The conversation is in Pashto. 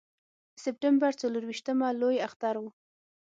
د سپټمبر څلرویشتمه لوی اختر و.